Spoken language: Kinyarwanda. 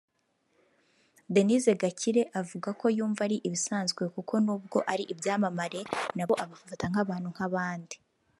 Denise Gakire avuga ko yumva ari ibisanzwe kuko n’ubwo ari ibyamamare nabo abafata nk’abantu nk’abandi